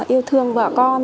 yêu thương vợ con